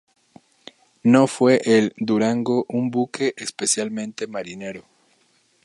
No fue el "Durango" un buque especialmente marinero.